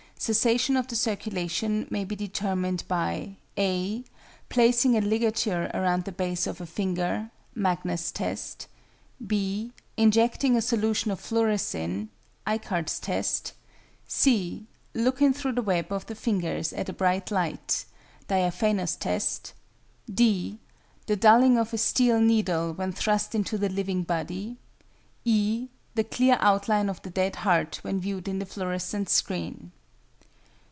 Cessation of the circulation may be determined by (a) placing a ligature round the base of a finger (Magnus' test); (b) injecting a solution of fluorescin (Icard's test); (c) looking through the web of the fingers at a bright light (diaphanous test); (d) the dulling of a steel needle when thrust into the living body; (e) the clear outline of the dead heart when viewed in the fluorescent screen.